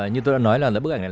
như tôi đã nói là bức ảnh này